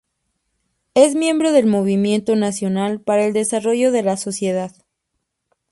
Es miembro del Movimiento Nacional para el Desarrollo de la Sociedad.